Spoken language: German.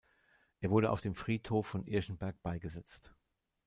Er wurde auf dem Friedhof von Irschenberg beigesetzt.